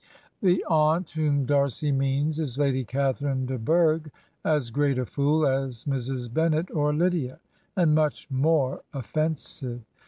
'" The aunt whom Darcy means is Lady Catharine de Burgh, as great a fool as Mrs. Bennet or Lydia, and much more offensive.